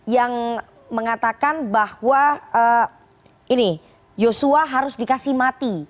yang mengatakan bahwa ini yosua harus dikasih mati